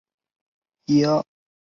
宣美及朴轸永等明星亦到场支持。